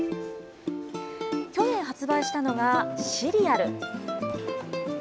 去年発売したのがシリアル。